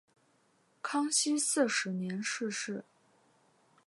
康熙四十年逝世。